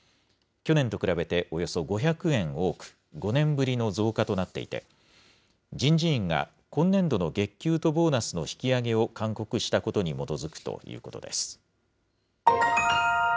去年と比べておよそ５００円多く、５年ぶりの増加となっていて、人事院が今年度の月給とボーナスの引き上げを勧告したことに基づくということです。